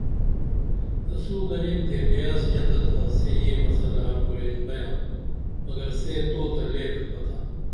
تسو گنین تے بیاس ژنتہ تھا سے یے مسلہ حل کُرین بیاں مگر سے تو تہ لے کھپہ تھا